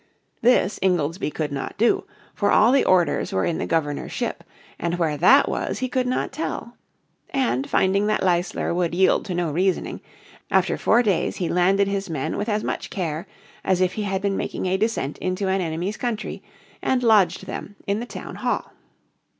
This Ingoldsby could not do, for all the orders were in the Governor's ship, and where that was he could not tell. And finding that Leisler would yield to no reasoning, after four days he landed his men with as much care as if he had been making a descent into an enemy's country, and lodged them in the town hall.